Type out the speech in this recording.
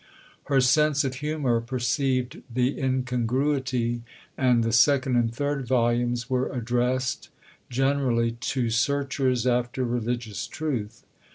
Her sense of humour perceived the incongruity, and the second and third volumes were addressed generally "To Searchers after Religious Truth."